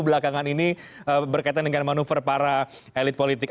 belakangan ini berkaitan dengan manuver para elit politik